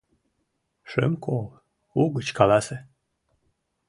Шым кол, угыч каласе...